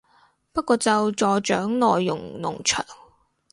不過就助長內容農場